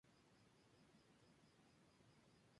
Walter vivía en Phoenix.